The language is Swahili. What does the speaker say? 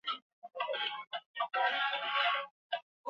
karibu Wabuddha ni Nchi ni tajiri kutokana na wingi wa mafuta ya